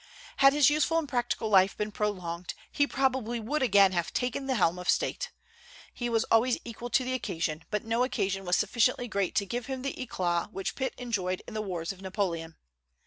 Had his useful and practical life been prolonged, he probably would again have taken the helm of state. He was always equal to the occasion; but no occasion was sufficiently great to give him the éclat which Pitt enjoyed in the wars of Napoleon.